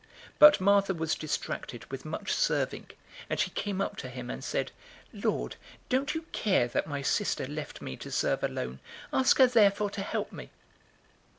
010:040 But Martha was distracted with much serving, and she came up to him, and said, "Lord, don't you care that my sister left me to serve alone? Ask her therefore to help me."